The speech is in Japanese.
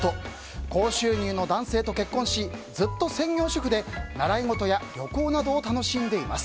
高収入の男性と結婚しずっと専業主婦で習い事や旅行などを楽しんでいます。